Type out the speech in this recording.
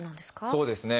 そうですね。